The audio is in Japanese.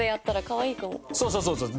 そうそうそうそう。